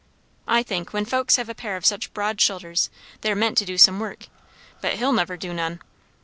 I think, when folks have a pair of such broad shoulders, they're meant to do some work; but he'll never do none.